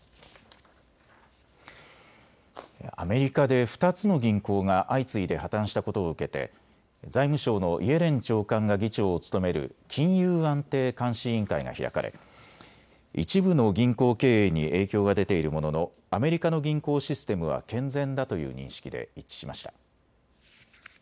アメリカで２つの銀行が相次いで破綻したことを受けて財務省のイエレン長官が議長を務める金融安定監視委員会が開かれ一部の銀行経営に影響が出ているもののアメリカの銀行システムは健全だという認識で一致しました。